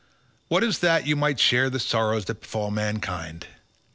Was it that you might share the sorrows that befall mankind?